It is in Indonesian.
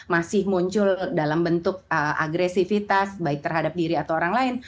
masih muncul dalam bentuk agresivitas baik terhadap diri atau orang lain